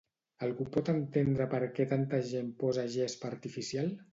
Algú pot entendre perquè tanta gent posa gespa artificial?